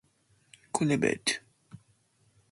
Samuel Johnson held the collection in high contempt.